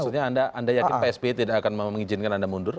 maksudnya anda yakin pak sby tidak akan mengizinkan anda mundur